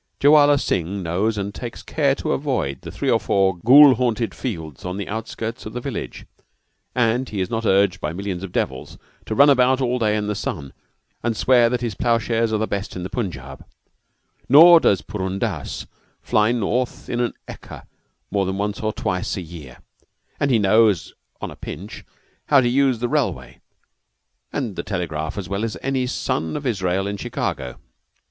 Jowala Singh knows and takes care to avoid the three or four ghoul haunted fields on the outskirts of the village; but he is not urged by millions of devils to run about all day in the sun and swear that his plowshares are the best in the Punjab; nor does Purun Dass fly forth in an ekka more than once or twice a year, and he knows, on a pinch, how to use the railway and the telegraph as well as any son of Israel in Chicago.